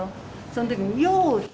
そのときに、よう！